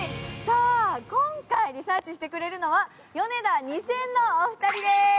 今回リサーチしてくれるのはヨネダ２０００のお二人です。